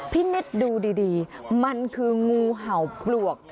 นิดดูดีมันคืองูเห่าปลวก